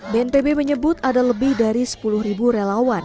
bnpb menyebut ada lebih dari sepuluh ribu relawan